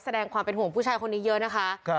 แสดงความเป็นห่วงผู้ชายคนนี้เยอะนะคะ